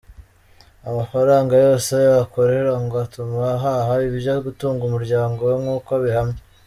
Amafaranga yose akorera ngo atuma ahaha ibyo gutunga umuryango we nk’uko abihamya.